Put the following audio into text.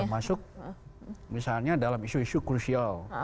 masuk misalnya dalam isu isu krusial